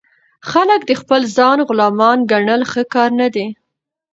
خلک د خپل ځان غلامان ګڼل ښه کار نه دئ.